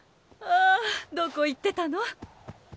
ああどこ行ってたの？